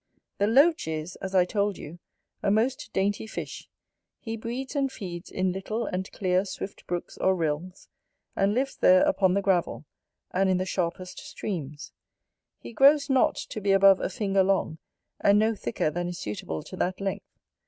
The LOACH is, as I told you, a most dainty fish: he breeds and feeds in little and clear swift brooks or rills, and lives there upon the gravel, and in the sharpest streams: he grows not to be above a finger long, and no thicker than is suitable to that length.